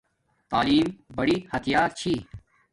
تعلیم بڑی ہتیار چھی